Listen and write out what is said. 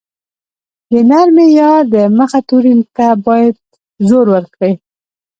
د نرمې ی د مخه توري ته باید زور ورکړو.